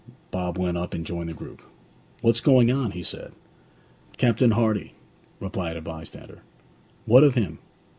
Bob went up and joined the group. 'What's going on?' he said. 'Captain Hardy,' replied a bystander. 'What of him?'